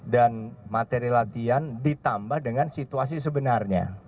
dan materi latihan ditambah dengan situasi sebenarnya